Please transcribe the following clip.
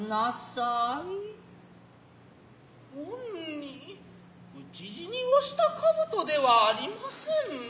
ほんに討死をした兜ではありませんね。